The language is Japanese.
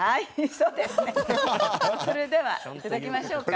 それではいただきましょうか。